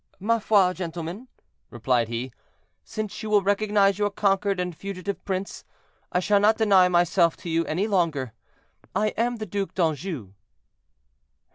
"Ma foi, gentlemen," replied he, "since you will recognize your conquered and fugitive prince, I shall not deny myself to you any longer. I am the Duc d'Anjou."